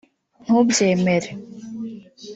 Ntubyemere